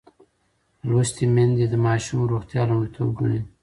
لوستې میندې د ماشوم روغتیا لومړیتوب ګڼي.